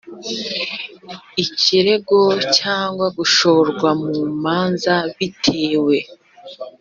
ikirego cyangwa gushorwa mu manza bitewe